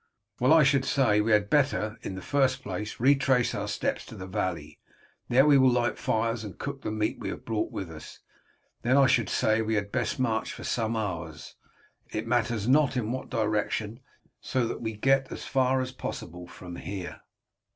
"Well, I should say we had better, in the first place, retrace our steps to the valley, there we will light fires and cook the meat we have brought with us. Then I should say we had best march for some hours. It matters not in what direction so that we get as far as possible from here."